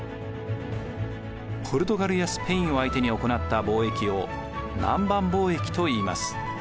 ポルトガルやスペインを相手に行った貿易を南蛮貿易といいます。